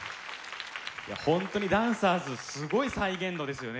いや本当にダンサーズすごい再現度ですよね。